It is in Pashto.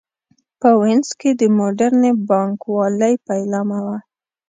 په وینز کې د موډرنې بانک والۍ پیلامه وه.